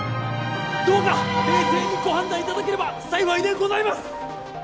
どうか冷静にご判断いただければ幸いでございます！